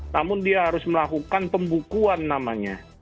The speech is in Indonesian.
namun dia harus melakukan pembukuan namanya